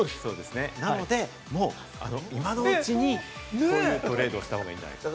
なので今のうちにトレードしたほうがいいんじゃないかと。